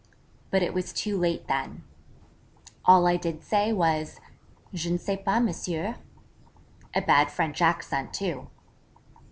But it was too late then all I did say was, 'Je ne sais pas, Monsieur' (a bad French accent too).